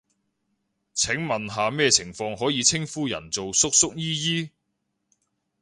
想問下咩情況可以稱呼人做叔叔姨姨？